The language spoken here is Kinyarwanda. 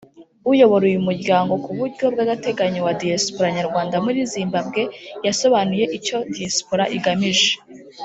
uyubora uyu muryango ku buryo bw’agateganyo wa diaspora Nyarwanda muri Zimbabwe yasobanuye icyo diaspora igamije